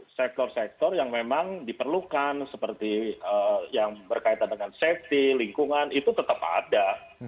sektor sektor yang memang diperlukan seperti yang berkaitan dengan safety lingkungan itu tetap ada